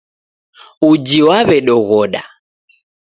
Uji w'aw'edoghoda